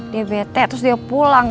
dia bete terus dia pulang